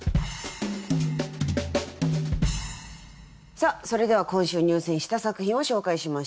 さあそれでは今週入選した作品を紹介しましょう。